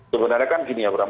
sebenarnya kan gini ya bram